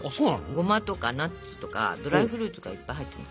ごまとかナッツとかドライフルーツとかいっぱい入ってるの。